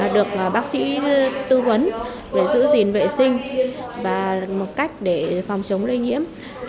được bác sĩ tư vấn để giữ gìn vệ sinh và một cách để phòng chống lây nhiễm